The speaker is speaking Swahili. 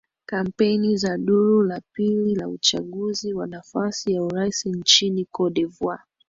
kampeni za duru la pili la uchaguzi wa nafasi ya urais nchini cote dvoire